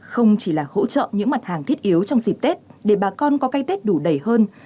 không chỉ là hỗ trợ những mặt hàng thiết yếu trong dịp tết để bà con có cái tết đủ đầy hơn